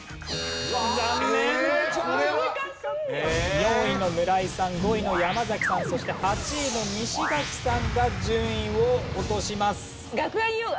４位の村井さん５位の山崎さんそして８位の西垣さんが順位を落とします。